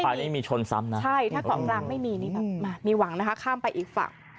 อันนี้มีชนซ้ำนะใช่ถ้าของรามไม่มีมีหวังข้ามไปอีกฝั่ง